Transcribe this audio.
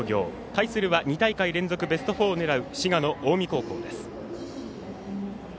対するは２大会連続ベスト４を狙う滋賀、近江高校。